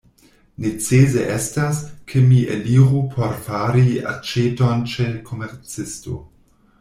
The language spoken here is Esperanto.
Necese estas, ke mi eliru por fari aĉeton ĉe komercisto.